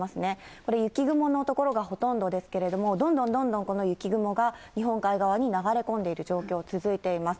これ、雪雲の所がほとんどですけれども、どんどんどんどん、この雪雲が日本海側に流れ込んでいる状況続いています。